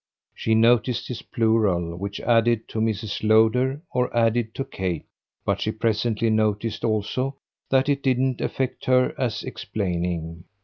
She noticed his plural, which added to Mrs. Lowder or added to Kate; but she presently noticed also that it didn't affect her as explaining.